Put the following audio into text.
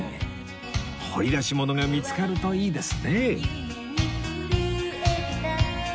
掘り出し物が見つかるといいですね